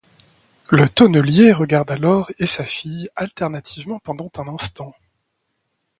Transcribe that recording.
Le tonnelier regarda l’or et sa fille alternativement pendant un instant.